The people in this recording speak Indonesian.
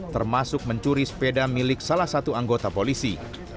termasuk mencuri sepeda milik salah satu anggota polisi